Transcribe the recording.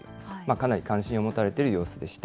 かなり関心を持たれている様子でした。